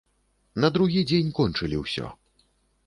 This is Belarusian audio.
На другі дзень кончылі ўсё.